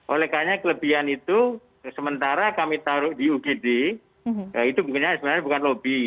oleh karena kelebihan itu sementara kami taruh di ugd itu sebenarnya bukan lobby